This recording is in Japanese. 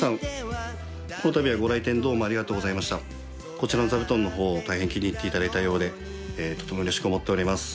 こちらの座布団の方を大変気に入っていただいたようでとてもうれしく思っております。